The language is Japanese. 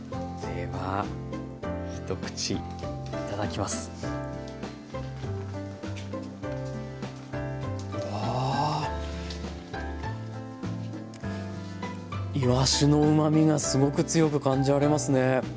いわしのうまみがすごく強く感じられますね。